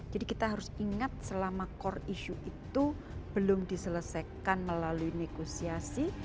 jadi kita harus ingat selama core issue itu belum diselesaikan melalui negosiasi